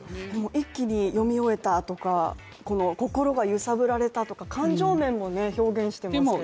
一気に読み終えたとか、心が揺さぶられたとか、感情面も表現してますけれども。